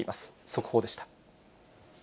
速報でした。